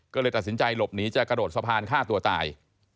ก็เลยตัดสินใจหลบหนีจะกระโดดสะพานฆ่าตัวตาย